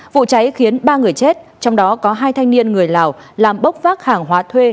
vụ cháy khiến ba người chết trong đó có hai thanh niên người lào làm bốc vác hàng hóa thuê